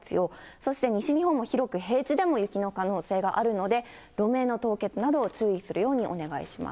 そして西日本も広く、平地でも雪の可能性があるので、路面の凍結など注意するようお願いします。